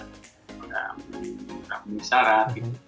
modal menggunakan misarat